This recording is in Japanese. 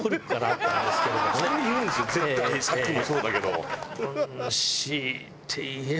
さっきもそうだけど。